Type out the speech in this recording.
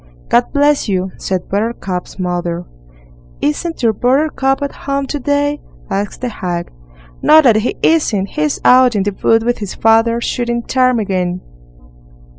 "God bless you!" said Buttercup's mother. "Isn't your Buttercup at home to day?" asked the hag. "No, that he isn't. He's out in the wood with his father, shooting ptarmigan."